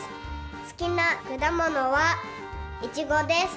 好きな果物はいちごです。